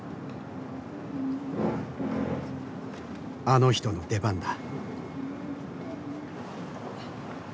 あの人の出番だ。